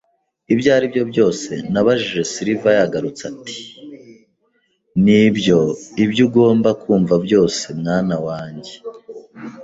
“Ibyo aribyo byose?” Nabajije. Silver yagarutse ati: "Nibyo, ibyo ugomba kumva byose, mwana wanjye."